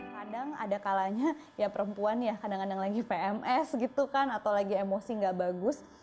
kadang ada kalanya ya perempuan ya kadang kadang lagi pms gitu kan atau lagi emosi gak bagus